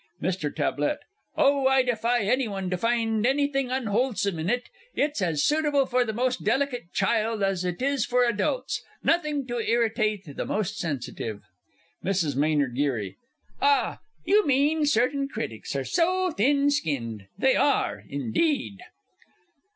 MR. T. Oh, I defy any one to find anything unwholesome in it it's as suitable for the most delicate child as it is for adults nothing to irritate the most sensitive MRS. M. G. Ah, you mean certain critics are so thin skinned they are: indeed!